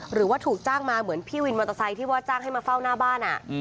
หรือว่าถูกจ้างมาเหมือนพี่วินมอเตอร์ไซค์ที่ว่าจ้างให้มาเฝ้าหน้าบ้าน